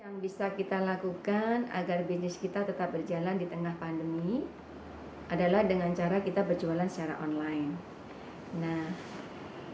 yang bisa kita lakukan agar bisnis kita tetap berjalan di tengah pandemi adalah dengan cara kita berjualan secara online